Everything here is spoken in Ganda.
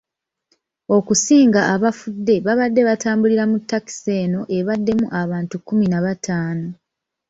Okusinga abafudde babadde batambulira mu takisi eno ebaddemu abantu kumi na bataano.